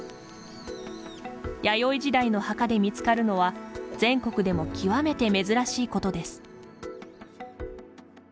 弥生時代の墓で見つかるのは全国でも極めて珍しいことです。